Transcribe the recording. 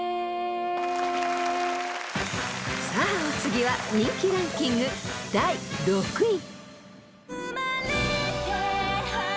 ［さあお次は人気ランキング第６位］